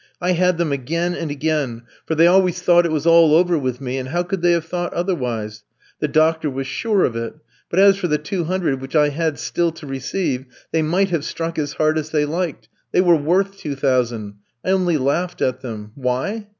I had them again and again, for they always thought it was all over with me, and how could they have thought otherwise? The doctor was sure of it. But as for the 200 which I had still to receive, they might have struck as hard as they liked they were worth 2,000; I only laughed at them. Why?